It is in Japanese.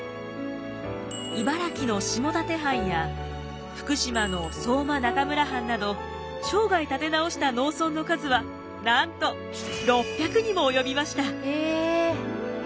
茨城の下館藩や福島の相馬中村藩など生涯立て直した農村の数はなんと６００にも及びました！